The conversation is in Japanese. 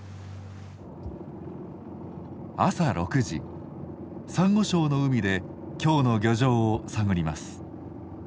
朝６時サンゴ礁の海で今日の漁場を探ります。